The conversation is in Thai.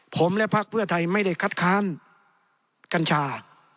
ผมและพักเพื่อไทยไม่ได้คัดค้านกัญชา